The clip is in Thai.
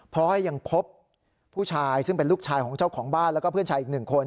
เพราะว่ายังพบผู้ชายซึ่งเป็นลูกชายของเจ้าของบ้านแล้วก็เพื่อนชายอีกหนึ่งคน